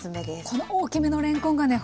この大きめのれんこんがね